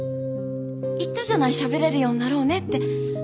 言ったじゃないしゃべれるようになろうねって。